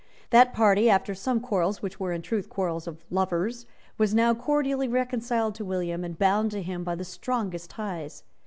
That party, after some quarrels, which were in truth quarrels of lovers, was now cordially reconciled to William, and bound to him by the strongest ties.